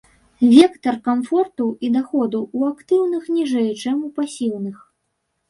Вектар камфорту і даходу ў актыўных ніжэй, чым у пасіўных.